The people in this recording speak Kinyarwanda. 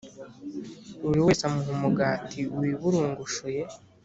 buri wese amuha umugati wiburungushuye